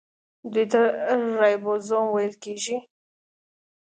دوی ته رایبوزوم ویل کیږي.